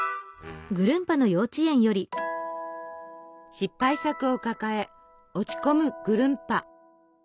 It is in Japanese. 失敗作を抱え落ち込むぐるんぱ。